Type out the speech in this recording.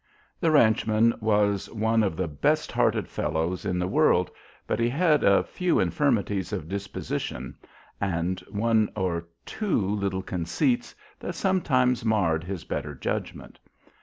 The ranchman was one of the best hearted fellows in the world, but he had a few infirmities of disposition and one or two little conceits that sometimes marred his better judgment.